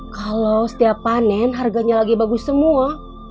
kalau setiap panen harganya lagi bagus semua